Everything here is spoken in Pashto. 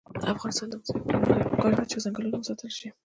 د افغانستان د اقتصادي پرمختګ لپاره پکار ده چې ځنګلونه وساتل شي.